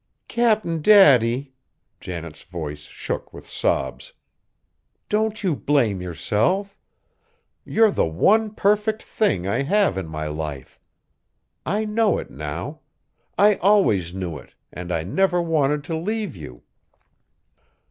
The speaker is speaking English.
"Cap'n Daddy!" Janet's voice shook with sobs. "Don't you blame yourself. You're the one perfect thing I have in my life. I know it now; I always knew it, and I never wanted to leave you."